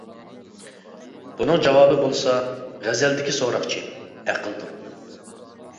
بۇنىڭ جاۋابى بولسا، غەزەلدىكى سوراقچى : ئەقىلدۇر.